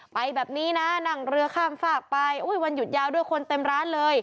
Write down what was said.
ไปแบบนี้นะนั่งเรือข้ามฝากไปอุ้ยวันหยุดยาวด้วยคนเต็มร้านเลย